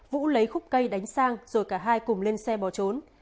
vũ lấy khúc cây đánh sang rồi cả hai cùng lên xe bỏ trốn